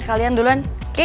kalian duluan ke